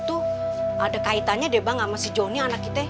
aku ingin si badar itu ada kaitannya deh bang sama si jonny anak kita